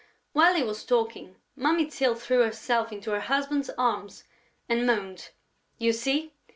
While he was talking, Mummy Tyl threw herself into her husband's arms and moaned: "You see?...